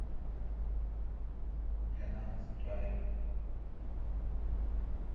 جناز کاں این۔